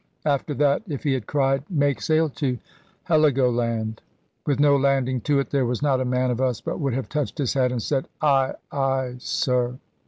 After that, if he had cried, "Make sail to" Heligoland, with no landing to it there was not a man of us but would have touched his hat, and said, "Ay, ay, sir!"